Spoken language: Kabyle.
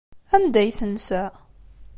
Anda ay tensa?